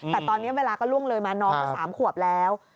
แต่ตอนนี้เวลาก็ล่วงเลยมาน้องก็๓ขวบแล้ว